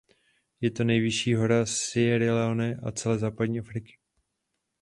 Je to nejvyšší hora Sierry Leone a celé západní Afriky.